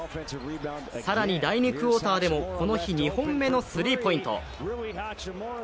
更に第２クオーターでもこの日２本目のスリーポイント。